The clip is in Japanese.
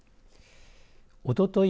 おととい